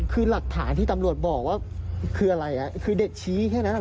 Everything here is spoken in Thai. คือหลักฐานที่ตำรวจบอกว่าคืออะไรคือเด็กชี้แค่นั้น